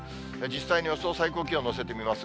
実際に予想最高気温乗せてみます。